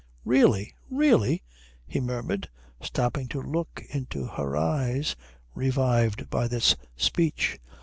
"Really? Really?" he murmured, stopping to look into her eyes, revived by this speech.